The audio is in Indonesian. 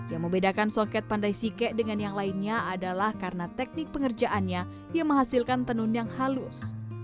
yang membedakan songket pandai sike dengan yang lainnya adalah karena teknik pengerjaannya yang menghasilkan tenun yang halus